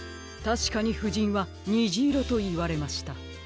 たしかにふじんは「にじいろ」といわれました。